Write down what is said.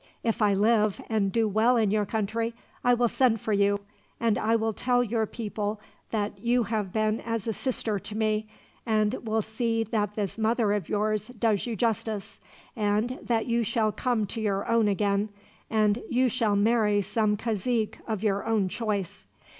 If I live, and do well in your country, I will send for you; and I will tell your people that you have been as a sister to me, and will see that this mother of yours does you justice, and that you shall come to your own again, and you shall marry some cazique of your own choice.